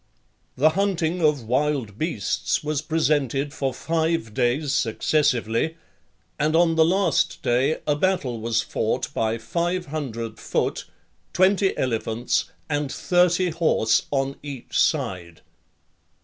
The hunting of wild beasts was presented for five days successively; and on the last day a battle was fought by five hundred foot, twenty elephants, and thirty horse on each side.